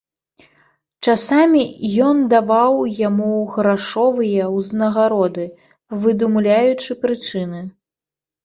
Часамі ён даваў яму грашовыя ўзнагароды, выдумляючы прычыны.